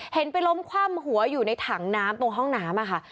เห็นไปล้มคว่ำหัวอยู่ในถังน้ำตรงห้องน้ำค่ะ